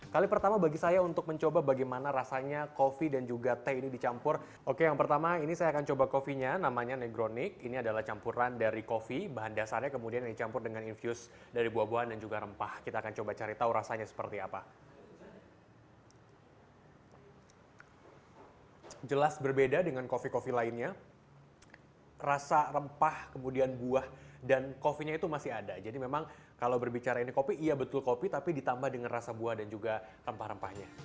kalau berbicara ini kopi iya betul kopi tapi ditambah dengan rasa buah dan juga rempah rempahnya